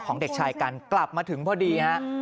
พ่อของเด็กชายกันกลับมาถึงพอดี